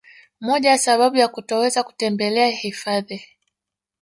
Moja ya sababu ya kutoweza kutembelea hifadhi